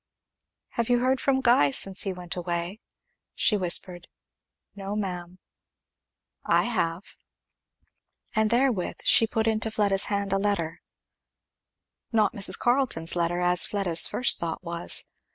"Have you heard from Guy since he went away?" she whispered. "No, ma'am." "I have." And therewith she put into Fleda's hand a letter, not Mrs. Carleton's letter, as Fleda's first thought was.